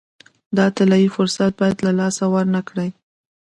دا طلایي فرصت باید له لاسه ورنه کړي.